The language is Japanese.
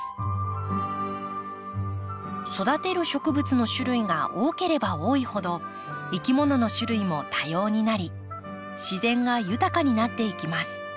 育てる植物の種類が多ければ多いほどいきものの種類も多様になり自然が豊かになっていきます。